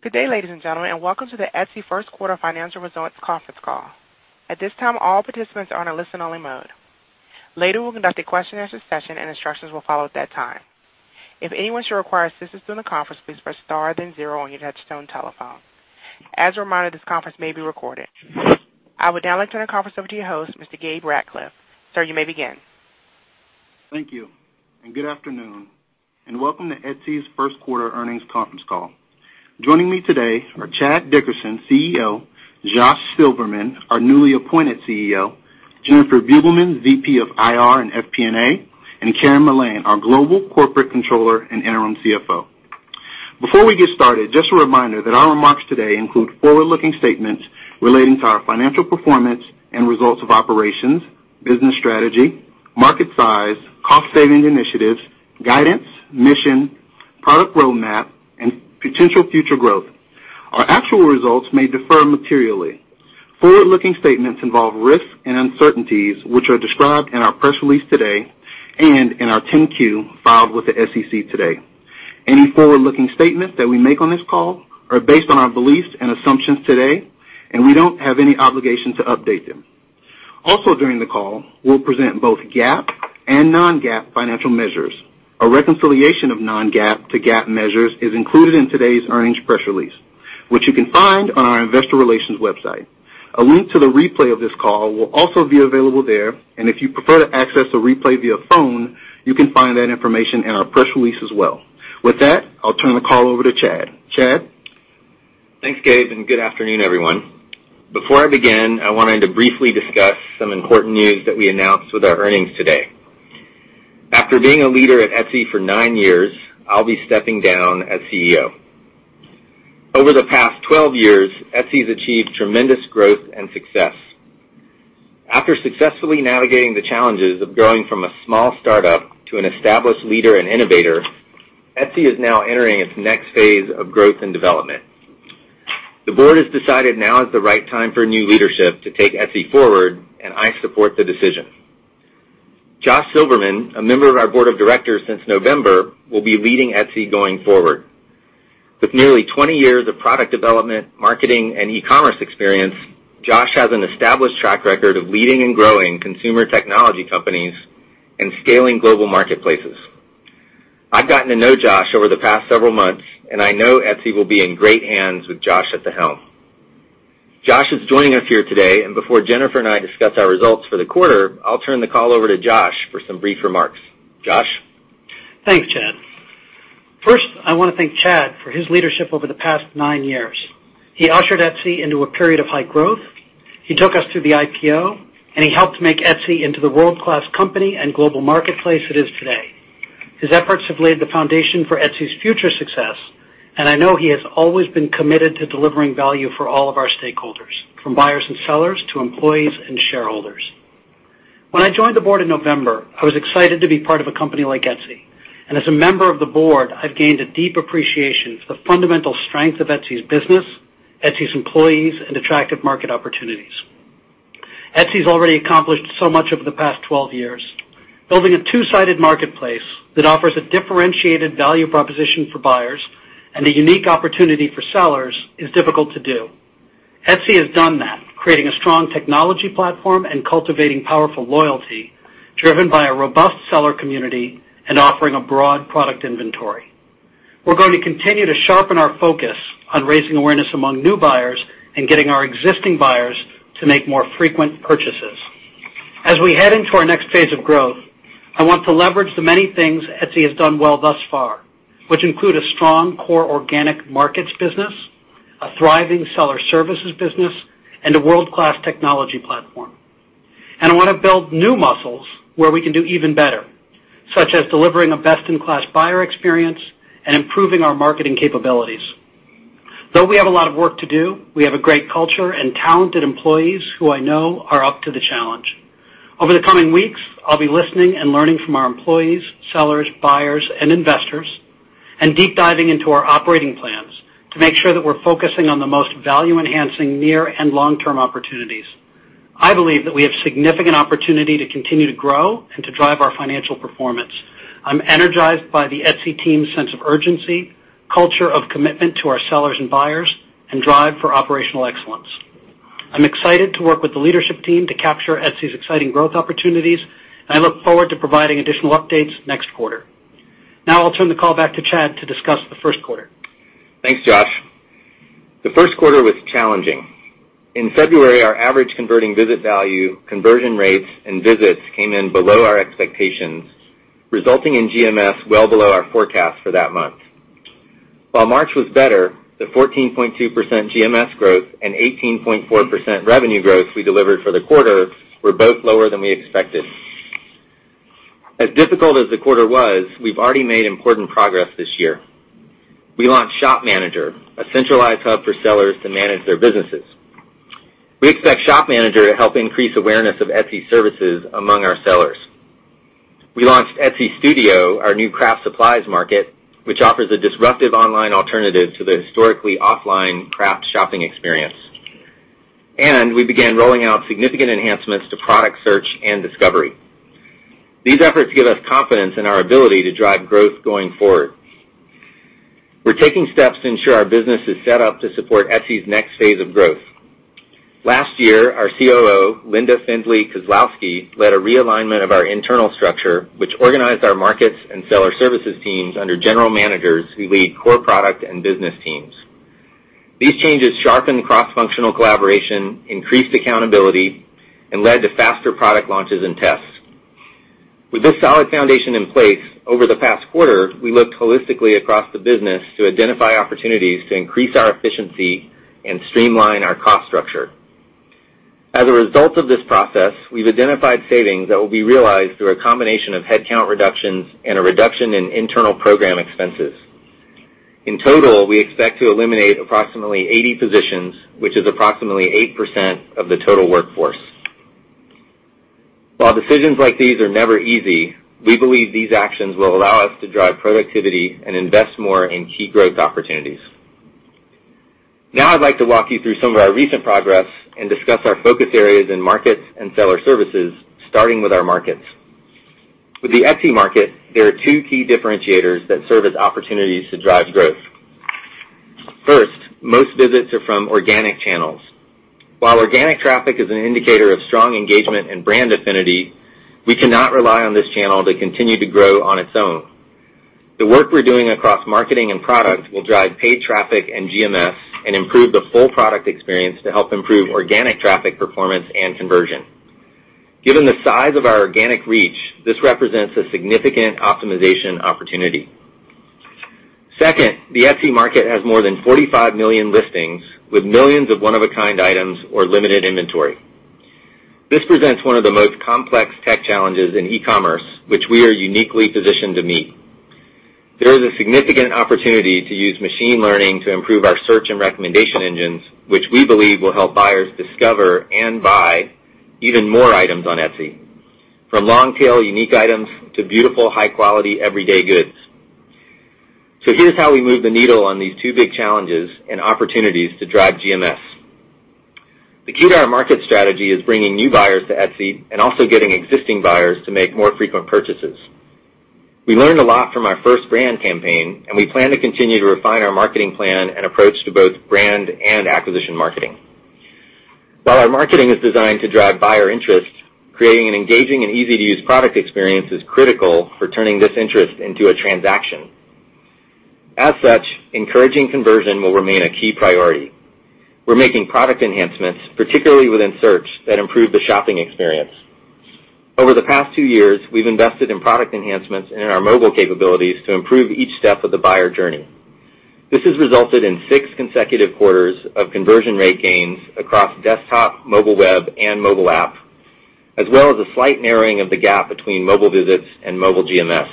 Good day, ladies and gentlemen, welcome to the Etsy first quarter financial results conference call. At this time, all participants are in a listen-only mode. Later, we'll conduct a question and answer session and instructions will follow at that time. If anyone should require assistance during the conference, please press star then zero on your touch-tone telephone. As a reminder, this conference may be recorded. I would now like to turn the conference over to your host, Mr. Gabe Ratcliff. Sir, you may begin. Thank you, good afternoon, and welcome to Etsy's first quarter earnings conference call. Joining me today are Chad Dickerson, CEO, Josh Silverman, our newly appointed CEO, Jennifer Beugelmans, VP of IR and FP&A, and Karen Mullane, our Global Corporate Controller and interim CFO. Before we get started, just a reminder that our remarks today include forward-looking statements relating to our financial performance and results of operations, business strategy, market size, cost saving initiatives, guidance, mission, product roadmap, and potential future growth. Our actual results may defer materially. Forward-looking statements involve risks and uncertainties, which are described in our press release today and in our 10-Q filed with the SEC today. Any forward-looking statements that we make on this call are based on our beliefs and assumptions today, and we don't have any obligation to update them. Also during the call, we'll present both GAAP and non-GAAP financial measures. A reconciliation of non-GAAP to GAAP measures is included in today's earnings press release, which you can find on our investor relations website. A link to the replay of this call will also be available there. If you prefer to access a replay via phone, you can find that information in our press release as well. With that, I'll turn the call over to Chad. Chad? Thanks, Gabe, good afternoon, everyone. Before I begin, I wanted to briefly discuss some important news that we announced with our earnings today. After being a leader at Etsy for nine years, I'll be stepping down as CEO. Over the past 12 years, Etsy's achieved tremendous growth and success. After successfully navigating the challenges of going from a small startup to an established leader and innovator, Etsy is now entering its next phase of growth and development. The board has decided now is the right time for new leadership to take Etsy forward. I support the decision. Josh Silverman, a member of our board of directors since November, will be leading Etsy going forward. With nearly 20 years of product development, marketing, and e-commerce experience, Josh has an established track record of leading and growing consumer technology companies and scaling global marketplaces. I've gotten to know Josh over the past several months, and I know Etsy will be in great hands with Josh at the helm. Josh is joining us here today, and before Jennifer and I discuss our results for the quarter, I'll turn the call over to Josh for some brief remarks. Josh? Thanks, Chad. First, I want to thank Chad for his leadership over the past nine years. He ushered Etsy into a period of high growth, he took us through the IPO, and he helped make Etsy into the world-class company and global marketplace it is today. His efforts have laid the foundation for Etsy's future success, and I know he has always been committed to delivering value for all of our stakeholders, from buyers and sellers to employees and shareholders. When I joined the board in November, I was excited to be part of a company like Etsy, and as a member of the board, I've gained a deep appreciation for the fundamental strength of Etsy's business, Etsy's employees, and attractive market opportunities. Etsy's already accomplished so much over the past 12 years. Building a two-sided marketplace that offers a differentiated value proposition for buyers and a unique opportunity for sellers is difficult to do. Etsy has done that, creating a strong technology platform and cultivating powerful loyalty driven by a robust seller community and offering a broad product inventory. We're going to continue to sharpen our focus on raising awareness among new buyers and getting our existing buyers to make more frequent purchases. As we head into our next phase of growth, I want to leverage the many things Etsy has done well thus far, which include a strong core organic markets business, a thriving seller services business, and a world-class technology platform. I want to build new muscles where we can do even better, such as delivering a best-in-class buyer experience and improving our marketing capabilities. Though we have a lot of work to do, we have a great culture and talented employees who I know are up to the challenge. Over the coming weeks, I'll be listening and learning from our employees, sellers, buyers, and investors, and deep diving into our operating plans to make sure that we're focusing on the most value-enhancing near and long-term opportunities. I believe that we have significant opportunity to continue to grow and to drive our financial performance. I'm energized by the Etsy team's sense of urgency, culture of commitment to our sellers and buyers, and drive for operational excellence. I'm excited to work with the leadership team to capture Etsy's exciting growth opportunities. I look forward to providing additional updates next quarter. Now I'll turn the call back to Chad to discuss the first quarter. Thanks, Josh. The first quarter was challenging. In February, our average converting visit value, conversion rates, and visits came in below our expectations, resulting in GMS well below our forecast for that month. While March was better, the 14.2% GMS growth and 18.4% revenue growth we delivered for the quarter were both lower than we expected. As difficult as the quarter was, we've already made important progress this year. We launched Shop Manager, a centralized hub for sellers to manage their businesses. We expect Shop Manager to help increase awareness of Etsy services among our sellers. We launched Etsy Studio, our new craft supplies market, which offers a disruptive online alternative to the historically offline craft shopping experience. We began rolling out significant enhancements to product search and discovery. These efforts give us confidence in our ability to drive growth going forward. While decisions like these are never easy, we believe these actions will allow us to drive productivity and invest more in key growth opportunities. I'd like to walk you through some of our recent progress and discuss our focus areas in markets and seller services, starting with our markets. With the Etsy market, there are two key differentiators that serve as opportunities to drive growth. First, most visits are from organic channels. Second, the Etsy market has more than 45 million listings, with millions of one-of-a-kind items or limited inventory. This presents one of the most complex tech challenges in e-commerce, which we are uniquely positioned to meet. There is a significant opportunity to use machine learning to improve our search and recommendation engines, which we believe will help buyers discover and buy even more items on Etsy, from long-tail unique items to beautiful, high-quality everyday goods. Here's how we move the needle on these two big challenges and opportunities to drive GMS. The key to our market strategy is bringing new buyers to Etsy and also getting existing buyers to make more frequent purchases. We learned a lot from our first brand campaign, we plan to continue to refine our marketing plan and approach to both brand and acquisition marketing. While our marketing is designed to drive buyer interest, creating an engaging and easy-to-use product experience is critical for turning this interest into a transaction. As such, encouraging conversion will remain a key priority. We're making product enhancements, particularly within search, that improve the shopping experience. Over the past two years, we've invested in product enhancements in our mobile capabilities to improve each step of the buyer journey. This has resulted in six consecutive quarters of conversion rate gains across desktop, mobile web, and mobile app, as well as a slight narrowing of the gap between mobile visits and mobile GMS.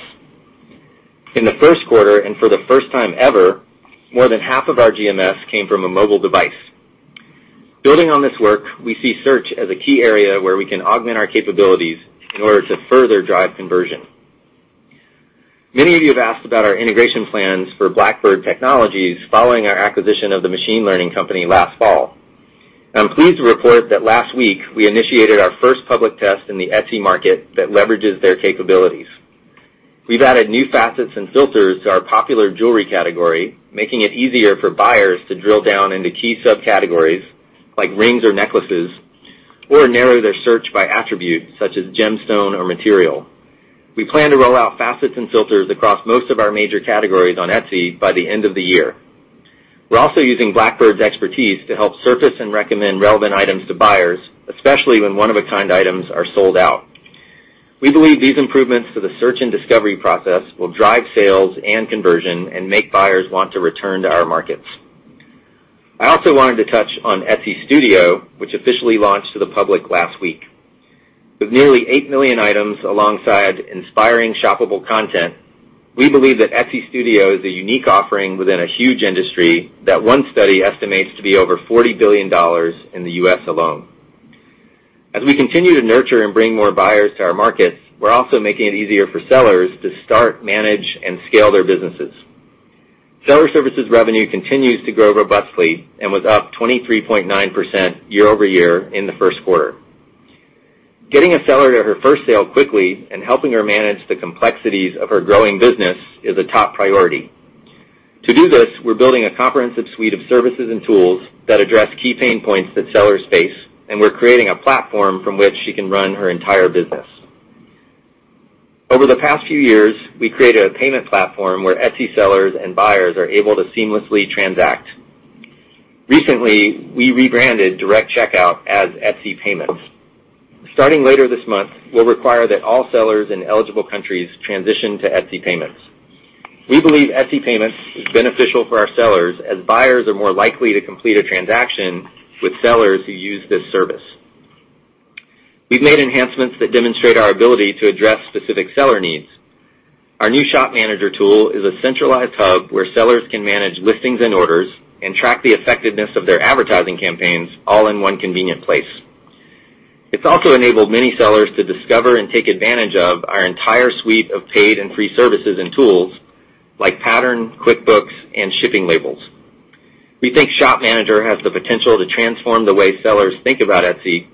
In the first quarter, and for the first time ever, more than half of our GMS came from a mobile device. Building on this work, we see search as a key area where we can augment our capabilities in order to further drive conversion. Many of you have asked about our integration plans for Blackbird Technologies following our acquisition of the machine learning company last fall. I'm pleased to report that last week, we initiated our first public test in the Etsy market that leverages their capabilities. We've added new facets and filters to our popular jewelry category, making it easier for buyers to drill down into key subcategories, like rings or necklaces, or narrow their search by attributes, such as gemstone or material. We plan to roll out facets and filters across most of our major categories on Etsy by the end of the year. We're also using Blackbird's expertise to help surface and recommend relevant items to buyers, especially when one-of-a-kind items are sold out. We believe these improvements to the search and discovery process will drive sales and conversion and make buyers want to return to our markets. I also wanted to touch on Etsy Studio, which officially launched to the public last week. With nearly eight million items alongside inspiring shoppable content, we believe that Etsy Studio is a unique offering within a huge industry that one study estimates to be over $40 billion in the U.S. alone. As we continue to nurture and bring more buyers to our markets, we're also making it easier for sellers to start, manage, and scale their businesses. Seller services revenue continues to grow robustly and was up 23.9% year-over-year in the first quarter. Getting a seller to her first sale quickly and helping her manage the complexities of her growing business is a top priority. To do this, we're building a comprehensive suite of services and tools that address key pain points that sellers face, and we're creating a platform from which she can run her entire business. Over the past few years, we created a payment platform where Etsy sellers and buyers are able to seamlessly transact. Recently, we rebranded Direct Checkout as Etsy Payments. Starting later this month, we'll require that all sellers in eligible countries transition to Etsy Payments. We believe Etsy Payments is beneficial for our sellers, as buyers are more likely to complete a transaction with sellers who use this service. We've made enhancements that demonstrate our ability to address specific seller needs. Our new Shop Manager tool is a centralized hub where sellers can manage listings and orders and track the effectiveness of their advertising campaigns all in one convenient place. It also enabled many sellers to discover and take advantage of our entire suite of paid and free services and tools like Pattern, QuickBooks, and shipping labels. We think Shop Manager has the potential to transform the way sellers think about Etsy.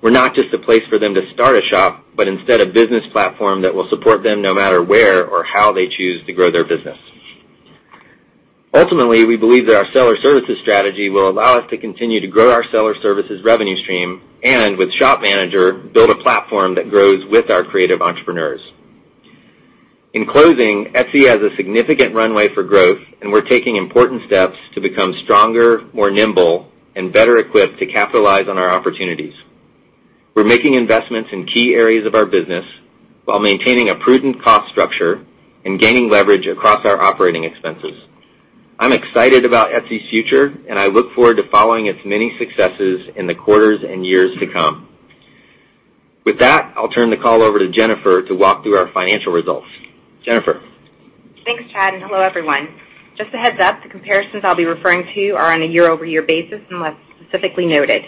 We're not just a place for them to start a shop, but instead a business platform that will support them no matter where or how they choose to grow their business. Ultimately, we believe that our seller services strategy will allow us to continue to grow our seller services revenue stream, and with Shop Manager, build a platform that grows with our creative entrepreneurs. In closing, Etsy has a significant runway for growth, and we're taking important steps to become stronger, more nimble, and better equipped to capitalize on our opportunities. We're making investments in key areas of our business while maintaining a prudent cost structure and gaining leverage across our operating expenses. I'm excited about Etsy's future, and I look forward to following its many successes in the quarters and years to come. With that, I'll turn the call over to Jennifer to walk through our financial results. Jennifer. Thanks, Chad, and hello, everyone. Just a heads up, the comparisons I'll be referring to are on a year-over-year basis, unless specifically noted.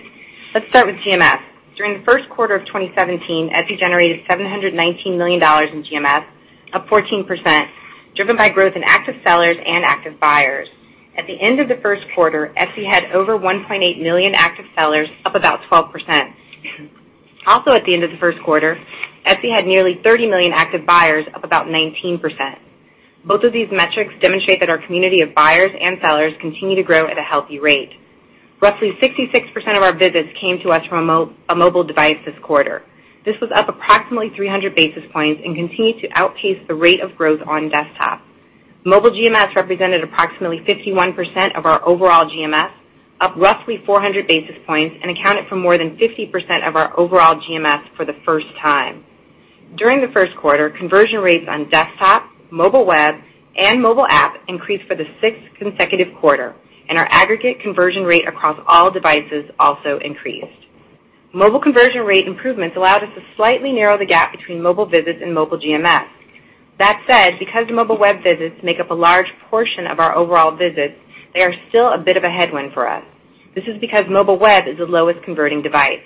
Let's start with GMS. During the first quarter of 2017, Etsy generated $719 million in GMS, up 14%, driven by growth in active sellers and active buyers. At the end of the first quarter, Etsy had over 1.8 million active sellers, up about 12%. Also, at the end of the first quarter, Etsy had nearly 30 million active buyers, up about 19%. Both of these metrics demonstrate that our community of buyers and sellers continue to grow at a healthy rate. Roughly 66% of our visits came to us from a mobile device this quarter. This was up approximately 300 basis points and continued to outpace the rate of growth on desktop. Mobile GMS represented approximately 51% of our overall GMS, up roughly 400 basis points, and accounted for more than 50% of our overall GMS for the first time. During the first quarter, conversion rates on desktop, mobile web, and mobile app increased for the sixth consecutive quarter, and our aggregate conversion rate across all devices also increased. Mobile conversion rate improvements allowed us to slightly narrow the gap between mobile visits and mobile GMS. That said, because mobile web visits make up a large portion of our overall visits, they are still a bit of a headwind for us. This is because mobile web is the lowest converting device.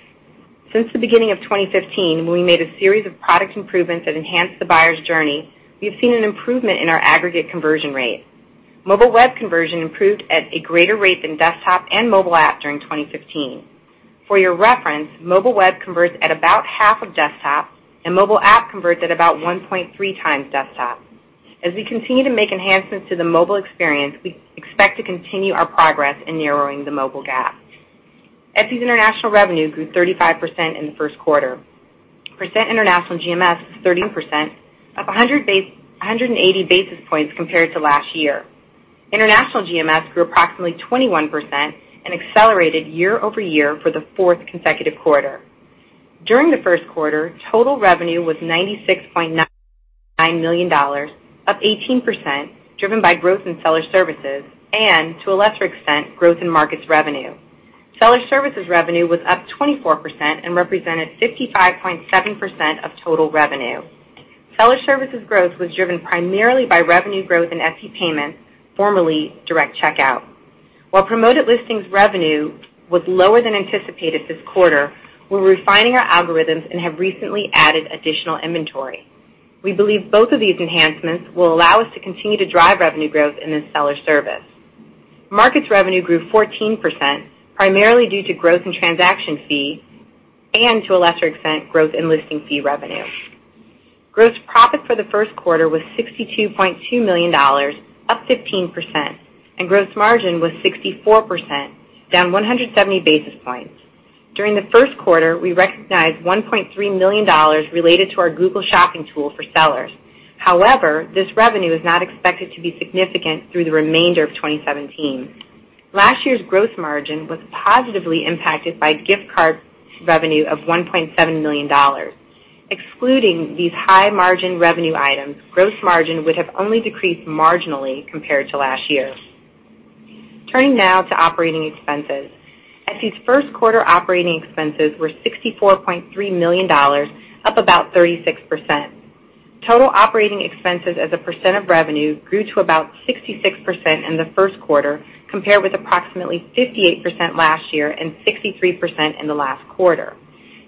Since the beginning of 2015, when we made a series of product improvements that enhanced the buyer's journey, we have seen an improvement in our aggregate conversion rate. Mobile web conversion improved at a greater rate than desktop and mobile app during 2015. For your reference, mobile web converts at about half of desktop, and mobile app converts at about 1.3 times desktop. As we continue to make enhancements to the mobile experience, we expect to continue our progress in narrowing the mobile gap. Etsy's international revenue grew 35% in the first quarter. International GMS is 13%, up 180 basis points compared to last year. International GMS grew approximately 21% and accelerated year-over-year for the fourth consecutive quarter. During the first quarter, total revenue was $96.9 million, up 18%, driven by growth in seller services and, to a lesser extent, growth in markets revenue. Seller services revenue was up 24% and represented 55.7% of total revenue. Seller services growth was driven primarily by revenue growth in Etsy Payments, formerly Direct Checkout. While Promoted Listings revenue was lower than anticipated this quarter, we're refining our algorithms and have recently added additional inventory. We believe both of these enhancements will allow us to continue to drive revenue growth in this seller service. Markets revenue grew 14%, primarily due to growth in transaction fees and, to a lesser extent, growth in listing fee revenue. Gross profit for the first quarter was $62.2 million, up 15%, and gross margin was 64%, down 170 basis points. During the first quarter, we recognized $1.3 million related to our Google Shopping tool for sellers. However, this revenue is not expected to be significant through the remainder of 2017. Last year's gross margin was positively impacted by gift card revenue of $1.7 million. Excluding these high-margin revenue items, gross margin would have only decreased marginally compared to last year. Turning now to operating expenses. Etsy's first quarter operating expenses were $64.3 million, up about 36%. Total operating expenses as a percent of revenue grew to about 66% in the first quarter, compared with approximately 58% last year and 63% in the last quarter.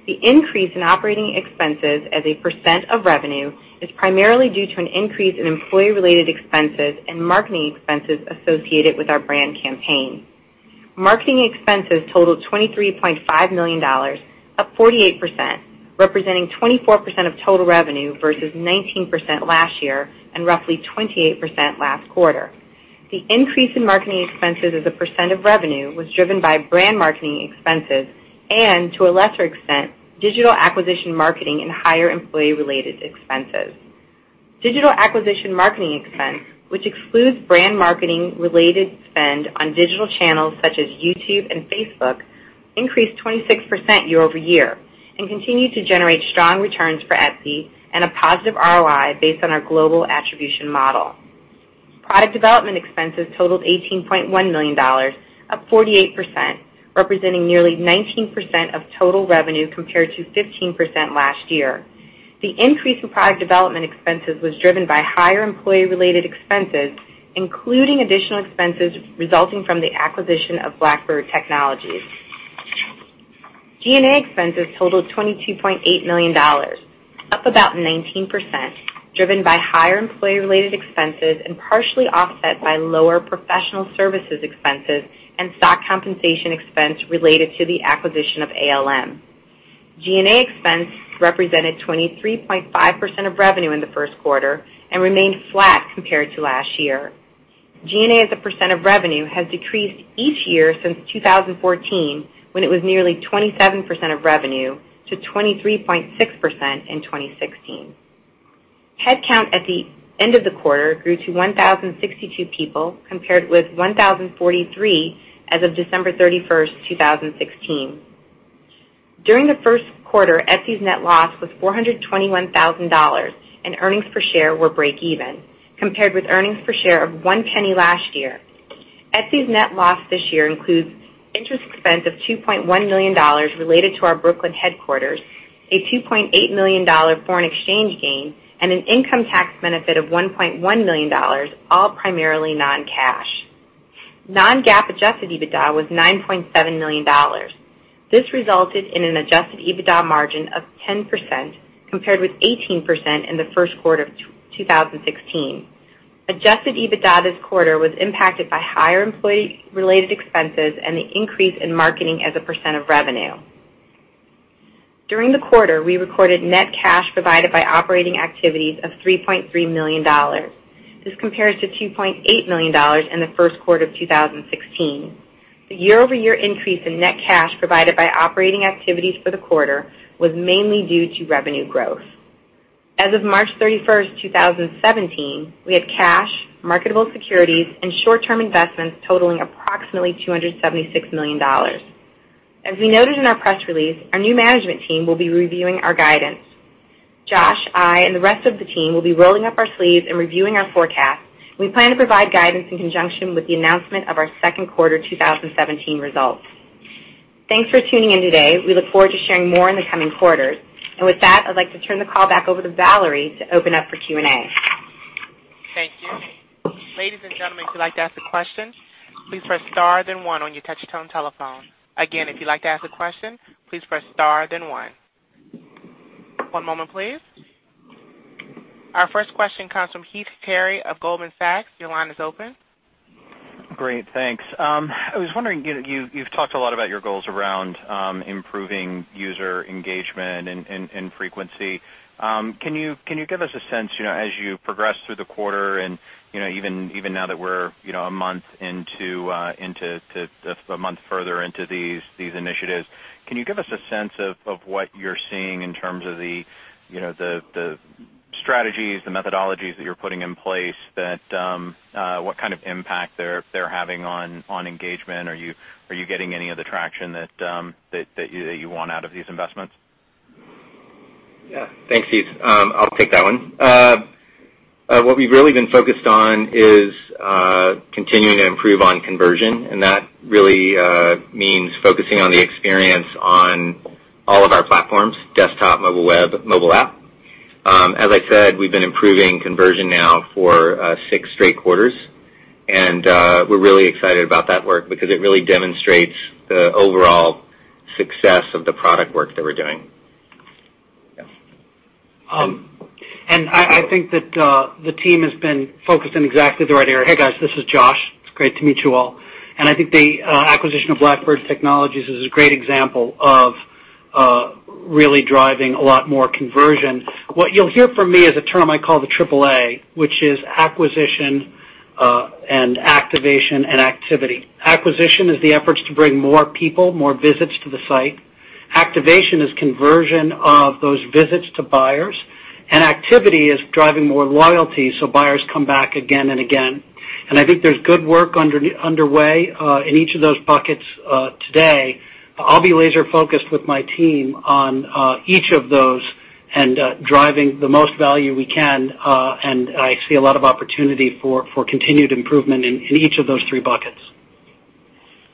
The increase in operating expenses as a percent of revenue is primarily due to an increase in employee-related expenses and marketing expenses associated with our brand campaign. Marketing expenses totaled $23.5 million, up 48%, representing 24% of total revenue versus 19% last year and roughly 28% last quarter. The increase in marketing expenses as a percent of revenue was driven by brand marketing expenses and, to a lesser extent, digital acquisition marketing and higher employee-related expenses. Digital acquisition marketing expense, which excludes brand marketing related spend on digital channels such as YouTube and Facebook, increased 26% year-over-year and continued to generate strong returns for Etsy and a positive ROI based on our global attribution model. Product development expenses totaled $18.1 million, up 48%, representing nearly 19% of total revenue compared to 15% last year. The increase in product development expenses was driven by higher employee-related expenses, including additional expenses resulting from the acquisition of Blackbird Technologies. G&A expenses totaled $22.8 million, up about 19%, driven by higher employee-related expenses and partially offset by lower professional services expenses and stock compensation expense related to the acquisition of ALM. G&A expense represented 23.5% of revenue in the first quarter and remained flat compared to last year. G&A as a % of revenue has decreased each year since 2014, when it was nearly 27% of revenue, to 23.6% in 2016. Headcount at the end of the quarter grew to 1,062 people, compared with 1,043 as of December 31st, 2016. During the first quarter, Etsy's net loss was $421,000, and earnings per share were breakeven, compared with earnings per share of $0.01 last year. Etsy's net loss this year includes interest expense of $2.1 million related to our Brooklyn headquarters, a $2.8 million foreign exchange gain, and an income tax benefit of $1.1 million, all primarily non-cash. Non-GAAP adjusted EBITDA was $9.7 million. This resulted in an adjusted EBITDA margin of 10%, compared with 18% in the first quarter of 2016. Adjusted EBITDA this quarter was impacted by higher employee-related expenses and the increase in marketing as a % of revenue. During the quarter, we recorded net cash provided by operating activities of $3.3 million. This compares to $2.8 million in the first quarter of 2016. The year-over-year increase in net cash provided by operating activities for the quarter was mainly due to revenue growth. As of March 31st, 2017, we had cash, marketable securities, and short-term investments totaling approximately $276 million. As we noted in our press release, our new management team will be reviewing our guidance. Josh, I, and the rest of the team will be rolling up our sleeves and reviewing our forecast. We plan to provide guidance in conjunction with the announcement of our second quarter 2017 results. Thanks for tuning in today. We look forward to sharing more in the coming quarters. With that, I'd like to turn the call back over to Valerie to open up for Q&A. Thank you. Ladies and gentlemen, if you'd like to ask a question, please press star then one on your touch-tone telephone. Again, if you'd like to ask a question, please press star then one. One moment please. Our first question comes from Heath Terry of Goldman Sachs. Your line is open. Great, thanks. I was wondering, you've talked a lot about your goals around improving user engagement and frequency. Can you give us a sense, as you progress through the quarter and even now that we're a month further into these initiatives, can you give us a sense of what you're seeing in terms of the strategies, the methodologies that you're putting in place, what kind of impact they're having on engagement? Are you getting any of the traction that you want out of these investments? Yeah. Thanks, Heath. I'll take that one. What we've really been focused on is continuing to improve on conversion, and that really means focusing on the experience on all of our platforms, desktop, mobile web, mobile app. As I said, we've been improving conversion now for six straight quarters, and we're really excited about that work because it really demonstrates the overall success of the product work that we're doing. Yeah. I think that the team has been focused in exactly the right area. Hey, guys, this is Josh. It's great to meet you all. I think the acquisition of Blackbird Technologies is a great example of really driving a lot more conversion. What you'll hear from me is a term I call the Triple A, which is acquisition and activation and activity. Acquisition is the efforts to bring more people, more visits to the site. Activation is conversion of those visits to buyers. Activity is driving more loyalty so buyers come back again and again. I think there's good work underway in each of those buckets today. I'll be laser-focused with my team on each of those and driving the most value we can, and I see a lot of opportunity for continued improvement in each of those three buckets.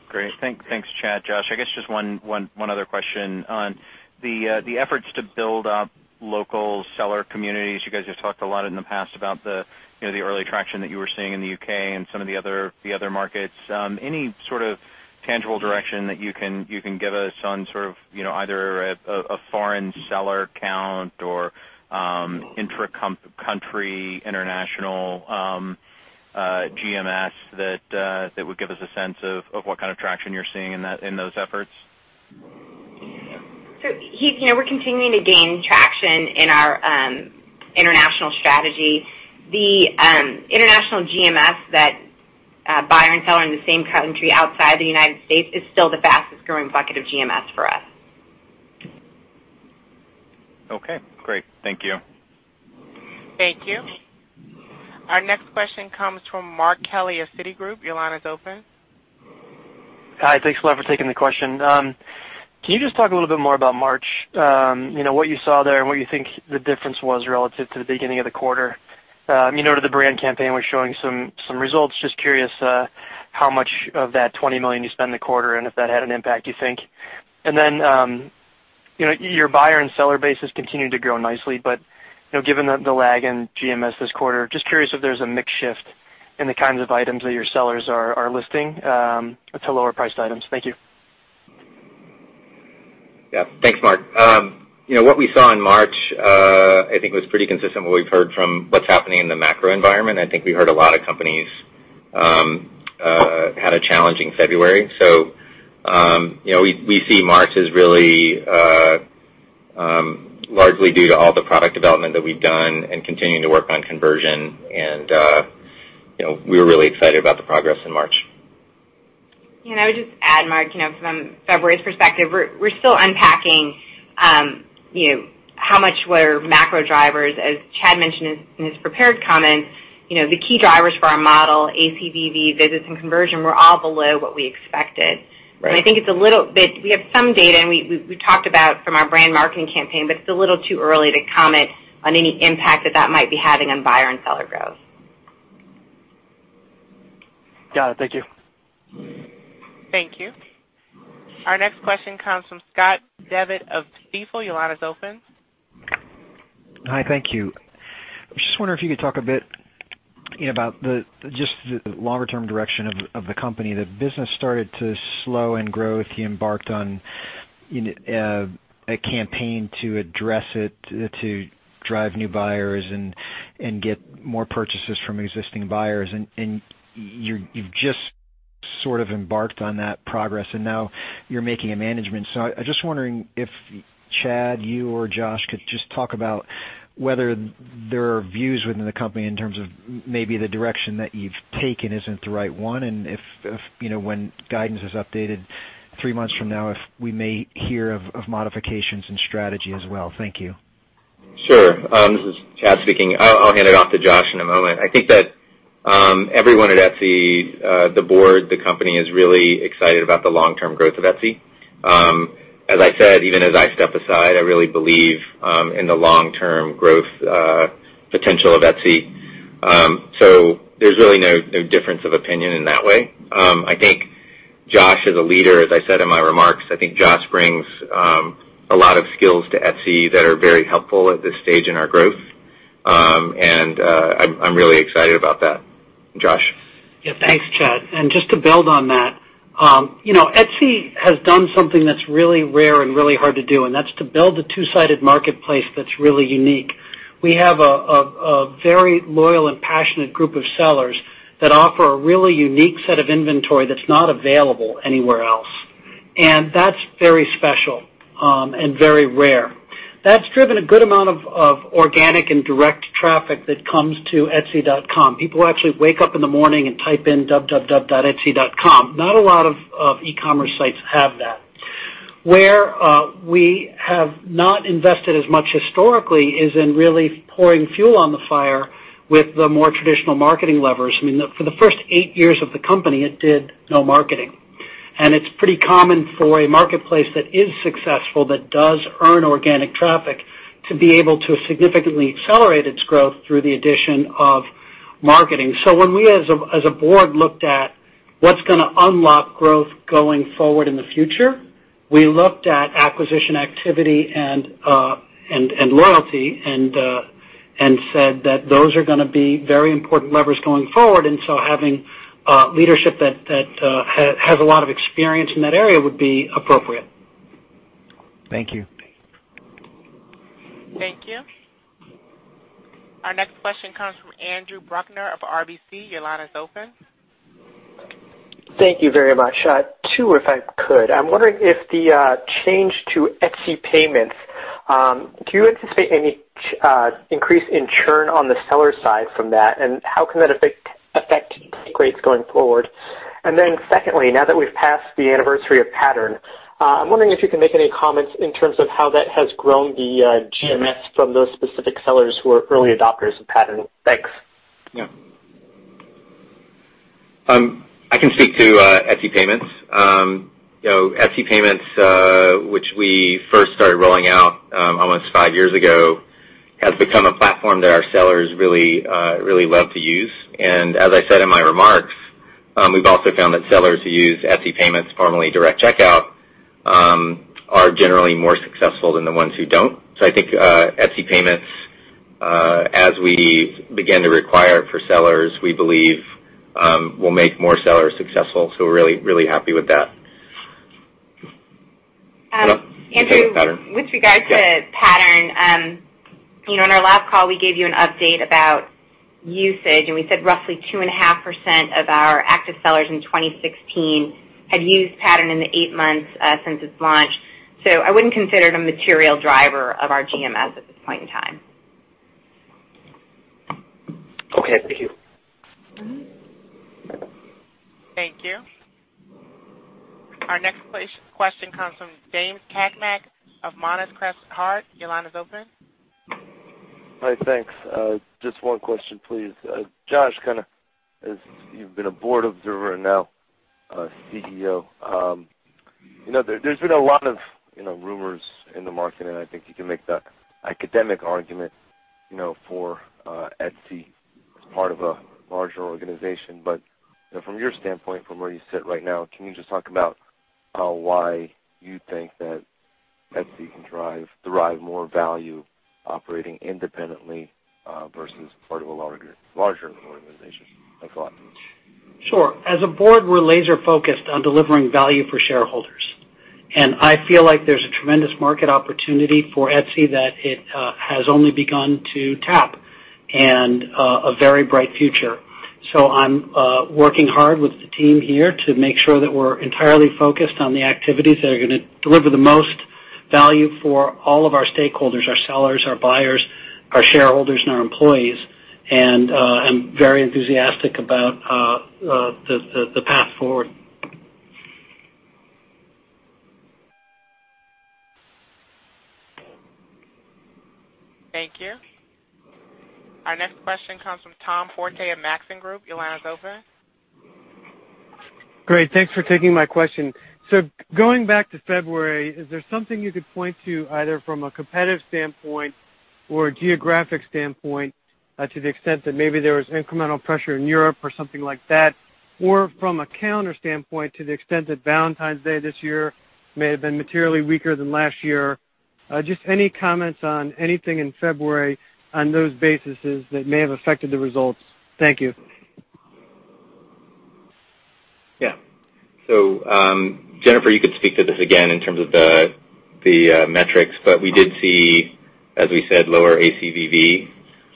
Great. Thanks, Chad, Josh. I guess just one other question on the efforts to build up local seller communities. You guys have talked a lot in the past about the early traction that you were seeing in the U.K. and some of the other markets. Any sort of tangible direction that you can give us on sort of either a foreign seller count or intracountry international GMS that would give us a sense of what kind of traction you're seeing in those efforts? Heath, we're continuing to gain traction in our international strategy. The international GMS that buyer and seller in the same country outside the United States is still the fastest-growing bucket of GMS for us. Okay, great. Thank you. Thank you. Our next question comes from Mark Mahaney of Citigroup. Your line is open. Hi. Thanks a lot for taking the question. Can you just talk a little bit more about March? What you saw there and what you think the difference was relative to the beginning of the quarter? You noted the brand campaign was showing some results. Just curious how much of that $20 million you spent in the quarter, and if that had an impact, you think? Then, your buyer and seller base has continued to grow nicely, but given the lag in GMS this quarter, just curious if there's a mix shift in the kinds of items that your sellers are listing to lower priced items. Thank you. Yeah. Thanks, Mark. What we saw in March, I think, was pretty consistent with what we've heard from what's happening in the macro environment. I think we heard a lot of companies had a challenging February. We see March is really largely due to all the product development that we've done and continuing to work on conversion, and we were really excited about the progress in March. I would just add, Mark, from February's perspective, we're still unpacking how much were macro drivers. As Chad mentioned in his prepared comments, the key drivers for our model, ACVV, visits, and conversion, were all below what we expected. Right. I think we have some data, and we talked about from our brand marketing campaign, but it's a little too early to comment on any impact that that might be having on buyer and seller growth. Got it. Thank you. Thank you. Our next question comes from Scott Devitt of Stifel. Your line is open. Hi, thank you. I was just wondering if you could talk a bit about just the longer-term direction of the company. The business started to slow in growth. You embarked on a campaign to address it, to drive new buyers, and get more purchases from existing buyers. You've just sort of embarked on that progress, and now you're making a management. I was just wondering if, Chad, you or Josh could just talk about whether there are views within the company in terms of maybe the direction that you've taken isn't the right one, and when guidance is updated three months from now, if we may hear of modifications in strategy as well. Thank you. Sure. This is Chad speaking. I'll hand it off to Josh in a moment. I think that everyone at Etsy, the board, the company, is really excited about the long-term growth of Etsy. As I said, even as I step aside, I really believe in the long-term growth potential of Etsy. There's really no difference of opinion in that way. I think Josh is a leader, as I said in my remarks. I think Josh brings a lot of skills to Etsy that are very helpful at this stage in our growth. I'm really excited about that. Josh? Yeah. Thanks, Chad. Just to build on that, Etsy has done something that's really rare and really hard to do, and that's to build a two-sided marketplace that's really unique. We have a very loyal and passionate group of sellers that offer a really unique set of inventory that's not available anywhere else. That's very special and very rare. That's driven a good amount of organic and direct traffic that comes to etsy.com. People actually wake up in the morning and type in www.etsy.com. Not a lot of e-commerce sites have that. Where we have not invested as much historically is in really pouring fuel on the fire with the more traditional marketing levers. For the first eight years of the company, it did no marketing. It's pretty common for a marketplace that is successful, that does earn organic traffic, to be able to significantly accelerate its growth through the addition of marketing. When we, as a board, looked at what's going to unlock growth going forward in the future, we looked at acquisition activity and loyalty and said that those are going to be very important levers going forward. Having leadership that has a lot of experience in that area would be appropriate. Thank you. Thank you. Our next question comes from Andrew Bruckner of RBC. Your line is open. Thank you very much. Two, if I could. I'm wondering if the change to Etsy Payments, do you anticipate any increase in churn on the seller side from that, and how can that affect rates going forward? Then secondly, now that we've passed the anniversary of Pattern, I'm wondering if you can make any comments in terms of how that has grown the GMS from those specific sellers who are early adopters of Pattern. Thanks. Yeah. I can speak to Etsy Payments. Etsy Payments, which we first started rolling out almost five years ago, has become a platform that our sellers really love to use. As I said in my remarks, we've also found that sellers who use Etsy Payments, formerly Direct Checkout, are generally more successful than the ones who don't. I think Etsy Payments, as we begin to require it for sellers, we believe will make more sellers successful, so we're really happy with that. You want to take Pattern? Andrew, with regards to Pattern, on our last call, we gave you an update about usage, and we said roughly 2.5% of our active sellers in 2016 had used Pattern in the eight months since its launch. I wouldn't consider it a material driver of our GMS at this point in time. Okay. Thank you. Thank you. Our next question comes from James Cakmak of Monness, Crespi, Hardt. Your line is open. Hi. Thanks. Just one question, please. Josh, as you've been a board observer and now CEO There's been a lot of rumors in the market, I think you can make the academic argument for Etsy as part of a larger organization. From your standpoint, from where you sit right now, can you just talk about why you think that Etsy can derive more value operating independently versus part of a larger organization? Thanks a lot. Sure. As a board, we're laser-focused on delivering value for shareholders. I feel like there's a tremendous market opportunity for Etsy that it has only begun to tap, and a very bright future. I'm working hard with the team here to make sure that we're entirely focused on the activities that are going to deliver the most value for all of our stakeholders, our sellers, our buyers, our shareholders, and our employees. I'm very enthusiastic about the path forward. Thank you. Our next question comes from Tom Forte of Maxim Group. Your line is open. Great. Thanks for taking my question. Going back to February, is there something you could point to, either from a competitive standpoint or a geographic standpoint, to the extent that maybe there was incremental pressure in Europe or something like that? From a calendar standpoint, to the extent that Valentine's Day this year may have been materially weaker than last year. Just any comments on anything in February on those bases that may have affected the results. Thank you. Jennifer, you could speak to this again in terms of the metrics, but we did see, as we said, lower ACVV.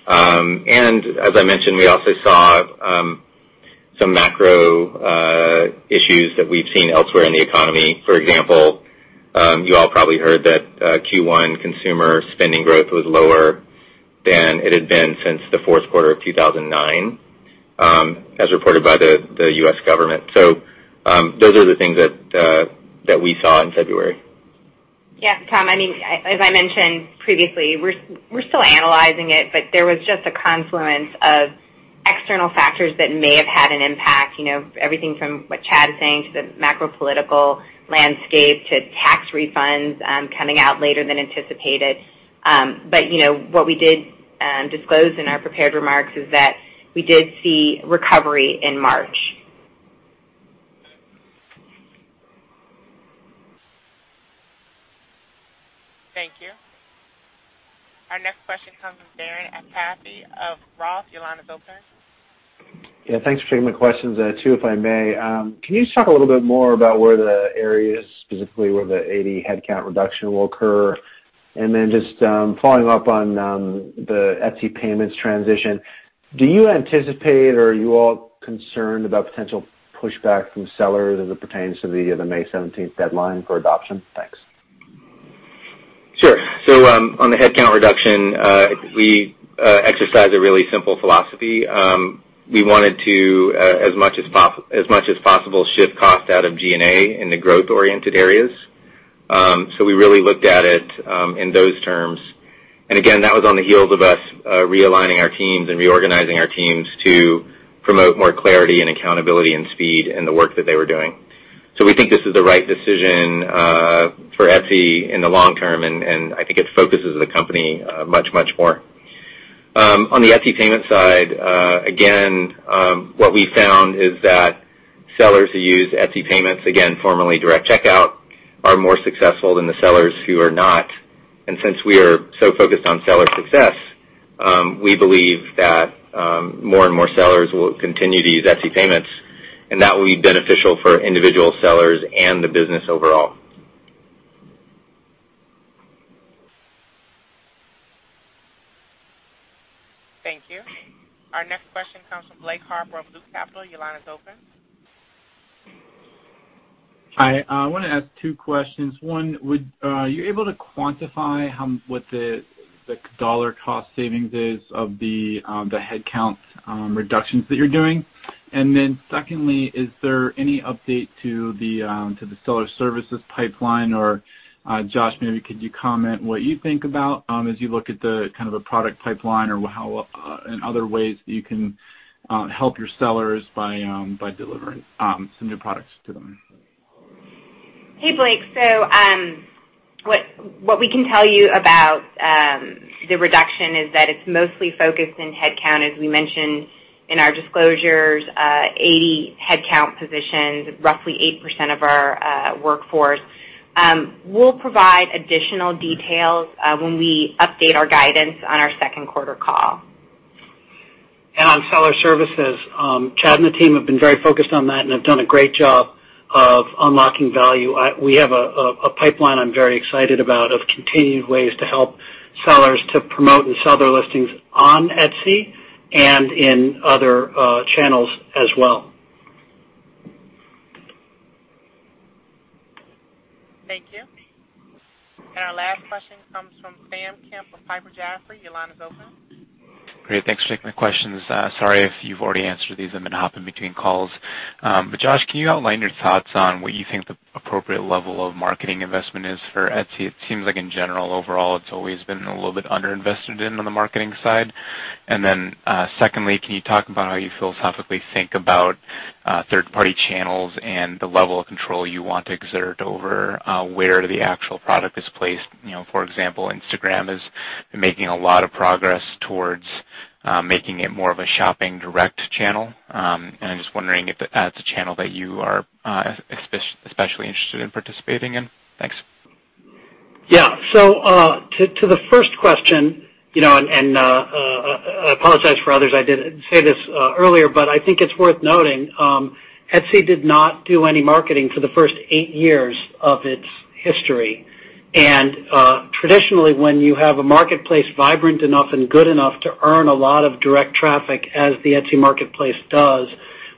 As I mentioned, we also saw some macro issues that we've seen elsewhere in the economy. For example, you all probably heard that Q1 consumer spending growth was lower than it had been since the fourth quarter of 2009, as reported by the U.S. government. Those are the things that we saw in February. Tom, as I mentioned previously, we're still analyzing it, there was just a confluence of external factors that may have had an impact. Everything from what Chad is saying to the macro political landscape to tax refunds coming out later than anticipated. What we did disclose in our prepared remarks is that we did see recovery in March. Thank you. Our next question comes from Darren Aftahi of ROTH. Your line is open. Thanks for taking my questions. Two, if I may. Can you just talk a little bit more about where the areas, specifically where the 80 headcount reduction will occur? Then just following up on the Etsy Payments transition, do you anticipate or are you all concerned about potential pushback from sellers as it pertains to the May 17th deadline for adoption? Thanks. Sure. On the headcount reduction, we exercise a really simple philosophy. We wanted to, as much as possible, shift cost out of G&A in the growth-oriented areas. We really looked at it in those terms. Again, that was on the heels of us realigning our teams and reorganizing our teams to promote more clarity and accountability and speed in the work that they were doing. We think this is the right decision for Etsy in the long term, and I think it focuses the company much more. On the Etsy Payments side, again, what we found is that sellers who use Etsy Payments, again, formerly Direct Checkout, are more successful than the sellers who are not. Since we are so focused on seller success, we believe that more and more sellers will continue to use Etsy Payments, and that will be beneficial for individual sellers and the business overall. Thank you. Our next question comes from Blake Harper of Loop Capital. Your line is open. Hi, I want to ask two questions. One, were you able to quantify what the dollar cost savings is of the headcount reductions that you're doing? Secondly, is there any update to the seller services pipeline? Josh, maybe could you comment what you think about as you look at the product pipeline or how, in other ways, you can help your sellers by delivering some new products to them? Hey, Blake. What we can tell you about the reduction is that it's mostly focused in headcount, as we mentioned in our disclosures, 80 headcount positions, roughly 8% of our workforce. We'll provide additional details when we update our guidance on our second quarter call. On seller services, Chad and the team have been very focused on that and have done a great job of unlocking value. We have a pipeline I'm very excited about of continued ways to help sellers to promote and sell their listings on Etsy and in other channels as well. Thank you. Our last question comes from Samuel Kemp of Piper Jaffray. Your line is open. Great. Thanks for taking my questions. Sorry if you've already answered these. I've been hopping between calls. Josh, can you outline your thoughts on what you think the appropriate level of marketing investment is for Etsy? It seems like in general, overall, it's always been a little bit under invested in on the marketing side. Secondly, can you talk about how you philosophically think about third-party channels and the level of control you want to exert over where the actual product is placed. For example, Instagram is making a lot of progress towards making it more of a shopping direct channel. I'm just wondering if that's a channel that you are especially interested in participating in. Thanks. Yeah. To the first question, I apologize for others, I didn't say this earlier, I think it's worth noting, Etsy did not do any marketing for the first eight years of its history. Traditionally, when you have a marketplace vibrant enough and good enough to earn a lot of direct traffic, as the Etsy marketplace does,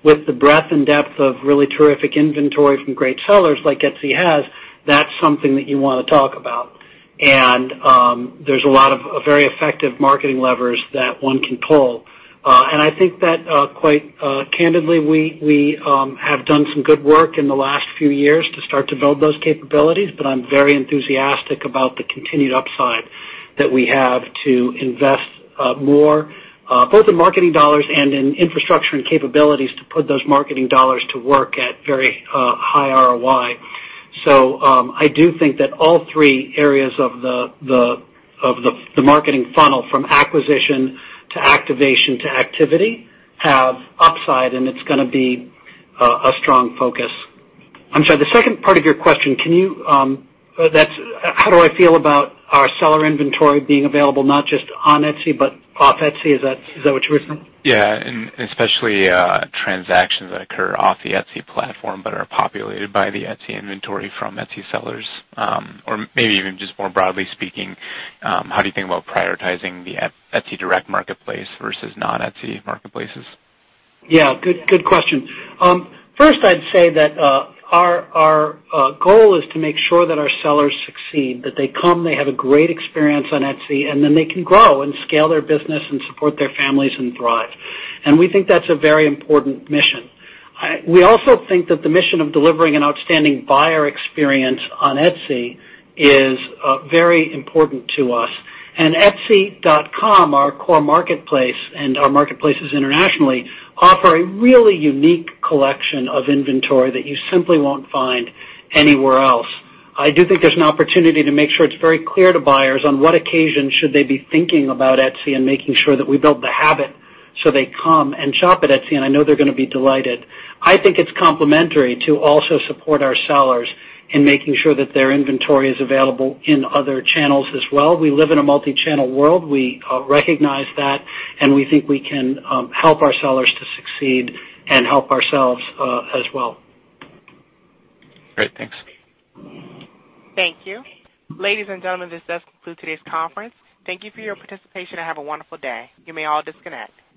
with the breadth and depth of really terrific inventory from great sellers like Etsy has, that's something that you want to talk about. There's a lot of very effective marketing levers that one can pull. I think that quite candidly, we have done some good work in the last few years to start to build those capabilities. I'm very enthusiastic about the continued upside that we have to invest more both in marketing dollars and in infrastructure and capabilities to put those marketing dollars to work at very high ROI. I do think that all three areas of the marketing funnel, from acquisition to activation to activity, have upside, and it's going to be a strong focus. I'm sorry, the second part of your question, how do I feel about our seller inventory being available not just on Etsy, but off Etsy? Is that what you were saying? Yeah. Especially transactions that occur off the Etsy platform but are populated by the Etsy inventory from Etsy sellers. Maybe even just more broadly speaking, how do you think about prioritizing the Etsy direct marketplace versus non-Etsy marketplaces? Yeah, good question. First, I'd say that our goal is to make sure that our sellers succeed. That they come, they have a great experience on Etsy, they can grow and scale their business and support their families and thrive. We think that's a very important mission. We also think that the mission of delivering an outstanding buyer experience on Etsy is very important to us. etsy.com, our core marketplace, and our marketplaces internationally, offer a really unique collection of inventory that you simply won't find anywhere else. I do think there's an opportunity to make sure it's very clear to buyers on what occasion should they be thinking about Etsy and making sure that we build the habit so they come and shop at Etsy, I know they're going to be delighted. I think it's complementary to also support our sellers in making sure that their inventory is available in other channels as well. We live in a multi-channel world. We recognize that, and we think we can help our sellers to succeed and help ourselves as well. Great. Thanks. Thank you. Ladies and gentlemen, this does conclude today's conference. Thank you for your participation and have a wonderful day. You may all disconnect.